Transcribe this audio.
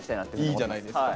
いいじゃないですか。